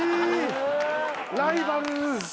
・ライバル。